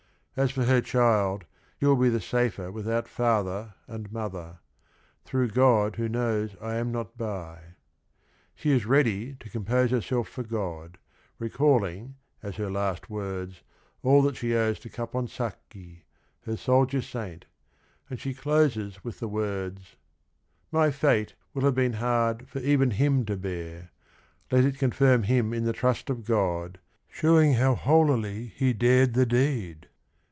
As for her child: he will be the safer without father and mother, "through God who knows I am not by." She is ready to "compose herself for God," re calling, as her last words, all that she owes to Caponsacchi — her "soldier saint" — and she closes with the words: "My fate Will have been hard for even him to bear: Let it confirm him in the trust of God, Showing how holily he dared the deed